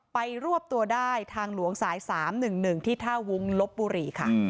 รวบตัวได้ทางหลวงสาย๓๑๑ที่ท่าวุ้งลบบุรีค่ะ